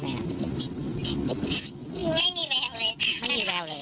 ไม่มีแววเลย